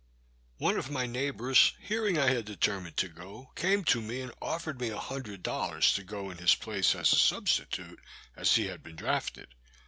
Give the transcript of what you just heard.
One of my neighbours, hearing I had determined to go, came to me, and offered me a hundred dollars to go in his place as a substitute, as he had been drafted.